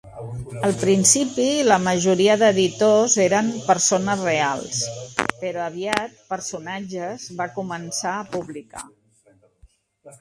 Al principi, la majoria d'editors eren "persones reals", però aviat "personatges" van començar a publicar.